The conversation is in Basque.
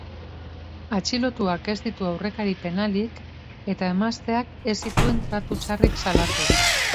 Atxilotuak ez ditu aurrekari penalik eta emazteak ez zituen tratu txarrik salatu.